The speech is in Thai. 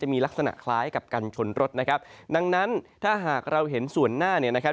มีลักษณะคล้ายกับกันชนรถนะครับดังนั้นถ้าหากเราเห็นส่วนหน้าเนี่ยนะครับ